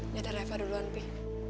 liatan reva duluan pi